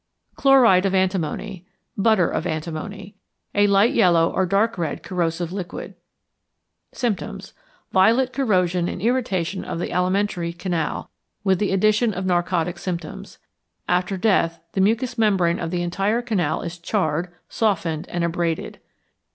=Chloride of Antimony= (Butter of Antimony). A light yellow or dark red corrosive liquid. Symptoms. Violet corrosion and irritation of the alimentary canal, with the addition of narcotic symptoms. After death the mucous membrane of the entire canal is charred, softened, and abraded.